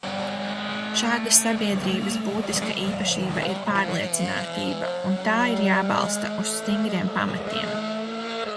Šādas sabiedrības būtiska īpašība ir pārliecinātība, un tā ir jābalsta uz stingriem pamatiem.